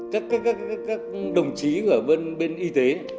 các đồng chí của bên y tế